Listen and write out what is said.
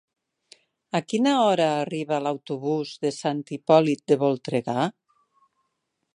A quina hora arriba l'autobús de Sant Hipòlit de Voltregà?